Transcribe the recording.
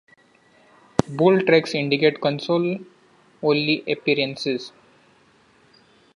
Bold tracks indicate console-only appearances.